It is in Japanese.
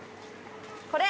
これ！